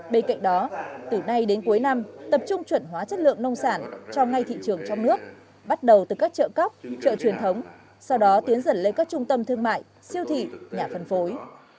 bên cạnh đó từ nay đến cuối năm tập trung chuẩn hóa chất lượng nông sản cho ngay thị trường trong nước bắt đầu từ các chợ cóc chợ truyền thống sau đó tiến dần lên các trung tâm thương mại siêu thị nhà phân phối